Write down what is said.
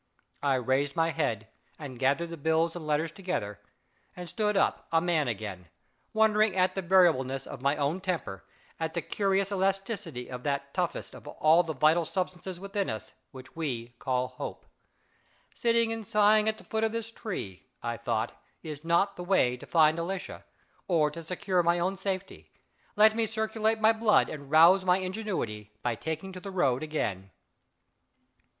I raised my head, and gathered the bills and letters together, and stood up a man again, wondering at the variableness of my own temper, at the curious elasticity of that toughest of all the vital substances within us, which we call Hope. "Sitting and sighing at the foot of this tree," I thought, "is not the way to find Alicia, or to secure my own safety. Let me circulate my blood and rouse my ingenuity, by taking to the road again."